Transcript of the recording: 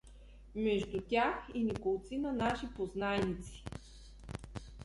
Между тях и неколцина наши познайници.